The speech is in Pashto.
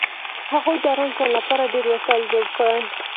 هغوی د ارام ژوند لپاره ډېر وسایل جوړ کړل